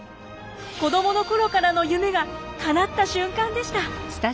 子供の頃からの夢がかなった瞬間でした。